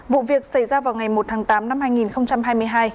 vụ việc xảy ra vào ngày một tháng tám năm hai nghìn hai mươi hai